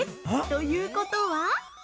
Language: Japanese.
ということは？